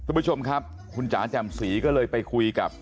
คุณผู้ชมครับคุณจ๋าแจ่มศรีก็เลยไปคุยกับ